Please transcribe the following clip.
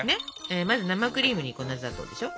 まず生クリームに粉砂糖でしょ。